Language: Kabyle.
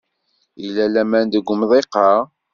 Yella laman deg umḍiq-a?